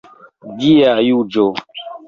Dia juĝo.